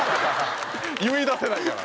言いだせないから。